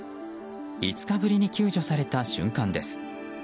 ５日ぶりに救助された瞬間です。